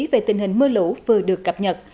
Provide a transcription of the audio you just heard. về tình hình mưa lũ vừa được cập nhật